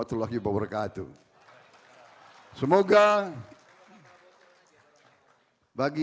terima kasih sekali lagi